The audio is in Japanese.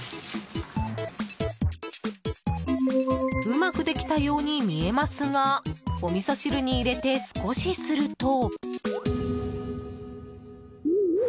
うまくできたように見えますがおみそ汁に入れて少しすると。